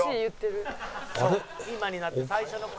「今になって最初」